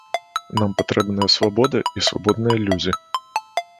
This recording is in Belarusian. Нам патрэбная свабода і свабодныя людзі.